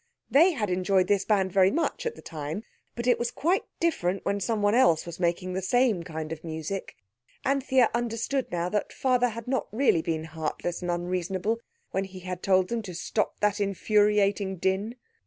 They had enjoyed this band very much at the time. But it was quite different when someone else was making the same kind of music. Anthea understood now that Father had not been really heartless and unreasonable when he had told them to stop that infuriating din.